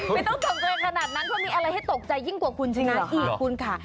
ไม่ต้องตกใจขนาดนั้นเพราะมีอะไรให้ตกใจยิ่งกว่าคุณชนะอีกคุณค่ะ